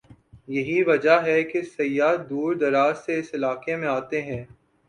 یہی وجہ ہے کہ سیاح دور دراز سے اس علاقے میں آتے ہیں ۔